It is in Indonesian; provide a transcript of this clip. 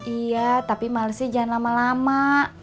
iya tapi malesnya jangan lama lama